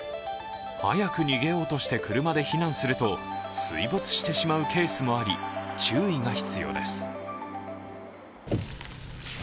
早く逃げようとして車で避難すると水没してしまうケースもあり注意が必要です。